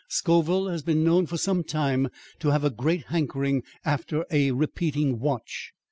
Scoville has been known for some time to have a great hankering after a repeating watch.